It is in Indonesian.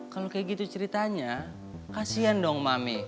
kalau kayak gitu ceritanya kasihan dong mami